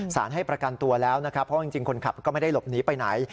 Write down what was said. ให้ประกันตัวแล้วนะครับเพราะจริงคนขับก็ไม่ได้หลบหนีไปไหน